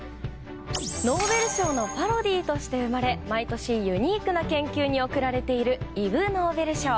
ノーベル賞のパロディーとして生まれ毎年ユニークな研究に贈られるイグ・ノーベル賞。